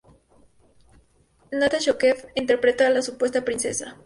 Natasha O'Keeffe interpreta a la supuesta princesa.